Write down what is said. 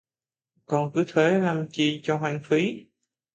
Con cứ thế lam chi cho hoang phí